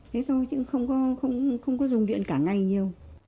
thế thôi chứ không có dùng điện cả ngày nhiều